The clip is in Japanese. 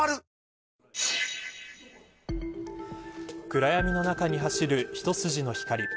暗闇の中に走る一筋の光。